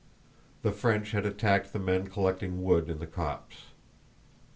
The French had attacked the men collecting wood in the copse.